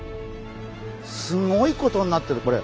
すごいことになってるこれ。